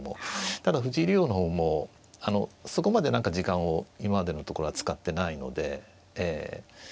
ただ藤井竜王の方もそこまで何か時間を今までのところは使ってないのでええ。